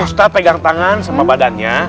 ustadz pegang tangan sama badannya